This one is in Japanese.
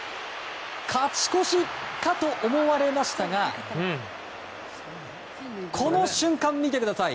勝ち越しかと思われましたがこの瞬間を見てください。